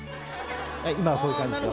今こういう感じですよ。